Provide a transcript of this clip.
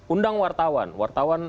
undang wartawan wartawan